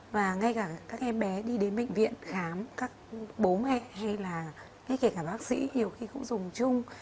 và ngay cả các em bé đi đến bệnh viện khám các bố mẹ hay là ngay kể cả bác sĩ nhiều khi cũng dùng chung